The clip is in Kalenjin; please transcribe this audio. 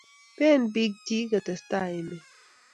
been biik chich kotestai emet